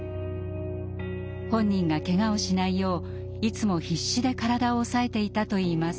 本人がけがをしないよういつも必死で体を押さえていたといいます。